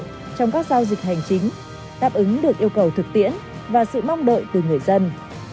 trong các giao dịch hành chính đáp ứng được yêu cầu thực tiễn và sự mong đợi từ người dân